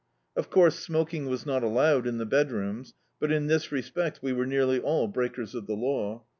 Of couise, smoking was not allowed in the bed^rooms, but in this respect we were nearly all breakers of the law.